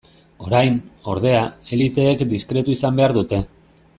Orain, ordea, eliteek diskretu izan behar dute.